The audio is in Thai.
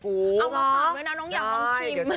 นึกว่าน้องยังต้องชิม